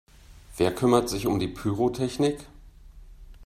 Wer kümmert sich um die Pyrotechnik?